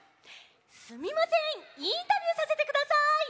すみませんインタビューさせてください！